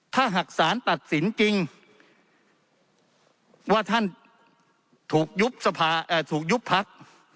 ถ้าหากสารตัดสินจริงว่าท่านถูกยุบพัก